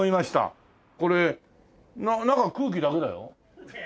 これ中空気だけだよ。